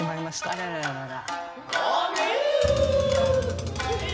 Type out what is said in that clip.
あらららららら。